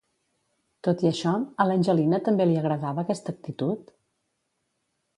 Tot i això, a l'Angelina també li agradava aquesta actitud?